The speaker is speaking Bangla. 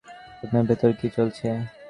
আপনার ভেতর কি চলছে?